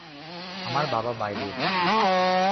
আমার বাবা বাইরে।